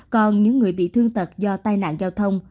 còn những người bị thương tật do tai nạn giao thông